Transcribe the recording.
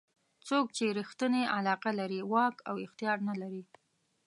څوک چې ریښتونې علاقه لري واک او اختیار نه لري.